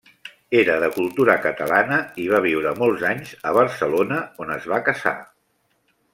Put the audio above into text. Era de cultura catalana i va viure molts anys a Barcelona on es va casar.